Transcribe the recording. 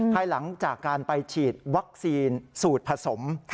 ภายหลังจากการไปฉีดวัคซีนสูตรผสม